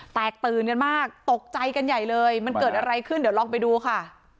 แตกตื่นกันมากตกใจกันใหญ่เลยมันเกิดอะไรขึ้นเดี๋ยวลองไปดูค่ะ